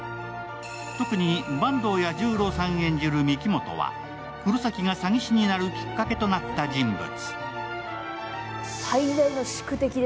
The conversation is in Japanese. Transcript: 特に坂東彌十郎さん演じる御木本は黒崎が詐欺師になるきっかけとなった人物。